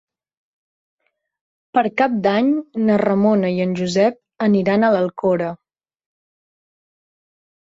Per Cap d'Any na Ramona i en Josep aniran a l'Alcora.